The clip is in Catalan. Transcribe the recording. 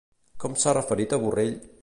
Com s'ha referit a Borrell?